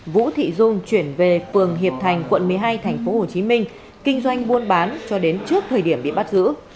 vũ thị dung chuyển về phường hiệp thành quận một mươi hai tp hcm kinh doanh buôn bán cho đến trước thời điểm bị bắt giữ